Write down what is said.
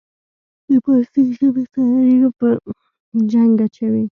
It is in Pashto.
د پارسي ژبې سره یې په جنګ اچوي.